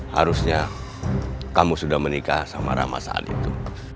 harusnya kamu sudah menikah sama rama saat itu